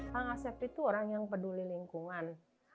pak ngasep itu orang yang peduli lingkungan